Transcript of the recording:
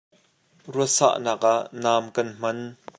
Rua sah nak ah nam kan hman.